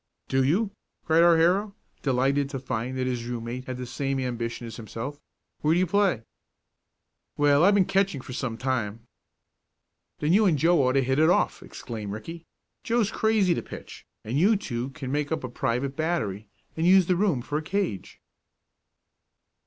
"Do you?" cried our hero, delighted to find that his room mate had the same ambition as himself. "Where do you play?" "Well, I have been catching for some time." "Then you and Joe ought to hit it off!" exclaimed Ricky. "Joe's crazy to pitch, and you two can make up a private battery, and use the room for a cage."